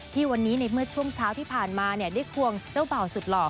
ที่วันนี้ในเมื่อช่วงเช้าที่ผ่านมาได้ควงเจ้าบ่าวสุดหล่อ